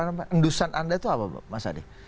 endusan anda itu apa mas adi